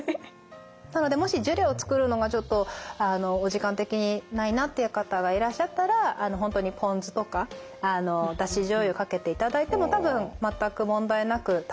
もしジュレを作るのがちょっとお時間的にないなっていう方がいらっしゃったら本当にポン酢とかだしじょうゆかけていただいても多分全く問題なく食べられるんじゃないかなと思います。